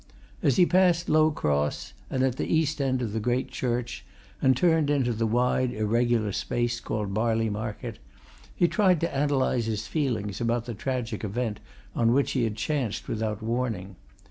As he passed Low Cross, and the east end of the great church, and turned into the wide, irregular space called Barley Market, he tried to analyse his feelings about the tragic event on which he had chanced without warning.